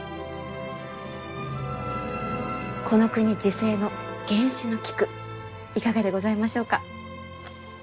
この国自生の原種の菊いかがでございましょうか？